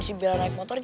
kurang lebih stall